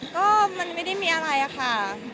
ก็มันไม่ได้มีอะไรอะค่ะ